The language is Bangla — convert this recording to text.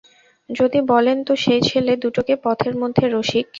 যদি বলেন তো সেই ছেলে দুটোকে পথের মধ্যে– রসিক।